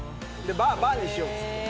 バーにしようっつって。